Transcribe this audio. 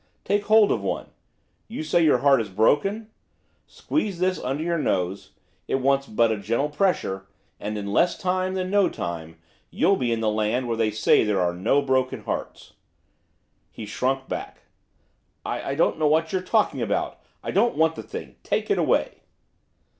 Take hold of one you say your heart is broken! squeeze this under your nose it wants but a gentle pressure and in less time than no time you'll be in the land where they say there are no broken hearts.' He shrunk back. 'I don't know what you're talking about. I don't want the thing. Take it away.